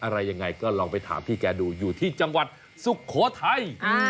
อะไรยังไงก็ลองไปถามพี่แกดูอยู่ที่จังหวัดสุโขทัย